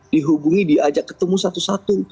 dihubungi diajak ketemu satu satu